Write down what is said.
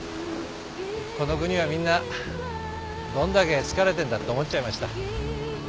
この国はみんなどんだけ疲れてんだって思っちゃいました。